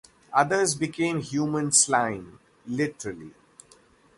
Others became human slime, literally.